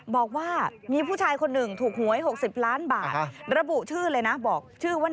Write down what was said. บอกว่ามีผู้ชายคนหนึ่งถูกหวย๖๐ล้านบาทระบุชื่อเลยนะบอกชื่อว่า